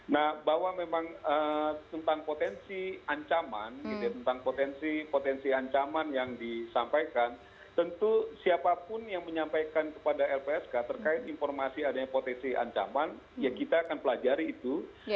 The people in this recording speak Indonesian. nah bahwa memang tentang potensi ancaman gitu ya tentang potensi potensi ancaman yang disampaikan tentu siapapun yang menyampaikan kepada lpsk terkait informasi adanya potensi ancaman ya kita akan pelajari itu